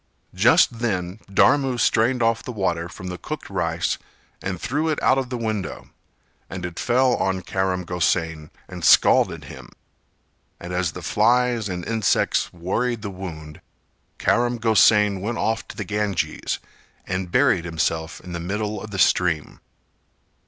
Just then Dharmu strained off the water from the cooked rice and threw it out of the window, and it fell on Karam Gosain and scalded him, and as the flies and insects worried the wound, Karam Gosain went off to the Ganges and buried himself in the middle of the stream.